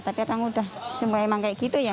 tapi orang udah semua emang kayak gitu ya